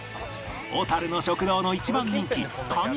小樽の食堂の一番人気カニ